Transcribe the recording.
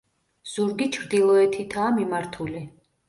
ზურგი ჩრდილოეთითაა მიმართული.